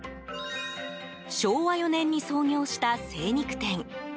昭和４年に創業した精肉店。